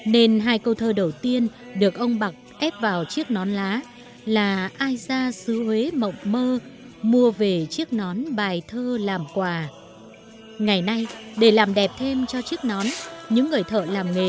nên hai câu thơ đầu tiên được ông bặc ép vào chiếc nón lá là ai ra xứ huế mộng mơ mua về chiếc nón bài thơ làm quà